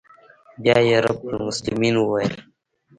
بيا يې رب المسلمين وويل.